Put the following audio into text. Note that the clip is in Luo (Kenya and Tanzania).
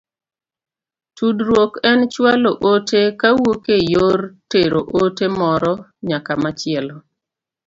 Tudruok en chwalo ote kowuok e yor tero ote moro nyaka machielo.